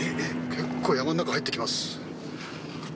結構山の中入っていきます。